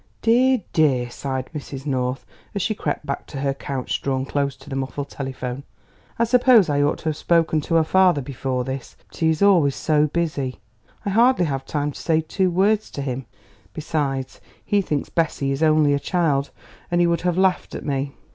"Dear, dear!" sighed Mrs. North, as she crept back to her couch drawn close to the muffled telephone, "I suppose I ought to have spoken to her father before this; but he is always so busy; I hardly have time to say two words to him. Besides, he thinks Bessie is only a child, and he would have laughed at me."